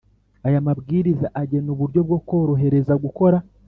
Aya mabwiriza agena uburyo bwo korohereza gukora